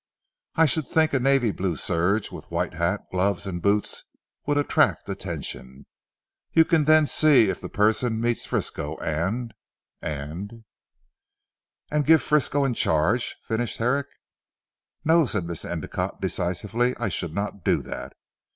I should think a navy blue serge with white hat, gloves, and boots would attract attention. You can then see if the person meets Frisco, and, and " "And give Frisco in charge," finished Herrick. "No," said Miss Endicotte decisively, "I should not do that.